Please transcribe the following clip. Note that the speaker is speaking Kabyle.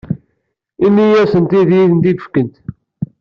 Ini-asent ad iyi-tent-id-fkent.